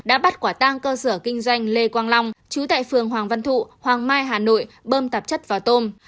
đã bắt quả tang cơ sở kinh doanh lê quang long chú tại phường hoàng văn thụ hoàng mai hà nội bơm tạp chất vào tôm